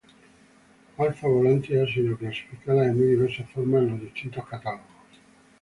Alfa Volantis ha sido clasificada de muy diversas formas en los distintos catálogos.